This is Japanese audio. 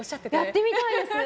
やってみたいです。